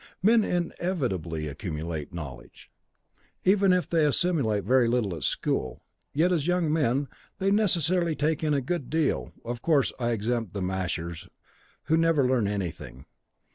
Men inevitably accumulate knowledge. Even if they assimilate very little at school, yet, as young men, they necessarily take in a good deal of course, I exempt the mashers, who never learn anything.